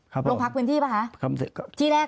ครับผม๕๕๕ลงพักพื้นที่ป่าวคะครับ่อันเสร็จ